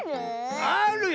あるよ！